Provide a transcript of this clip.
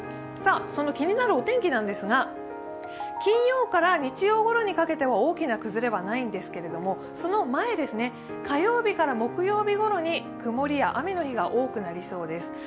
気になるお天気なんですが、金曜から日曜ごろにかけては大きな崩れはないんですけれども、その前、火曜日から木曜日ごろに曇りや雨の日が多くなりそうです。